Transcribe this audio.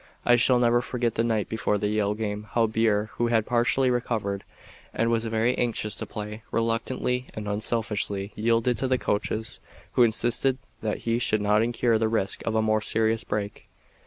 I shall never forget the night before the Yale game how Burr, who had partially recovered, and was very anxious to play, reluctantly and unselfishly yielded to the coaches who insisted that he should not incur the risk of a more serious break.